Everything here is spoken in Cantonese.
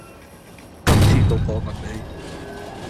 今次到我問你